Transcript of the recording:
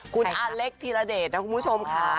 คุณอาเล็กธีรเดชนะคุณผู้ชมค่ะ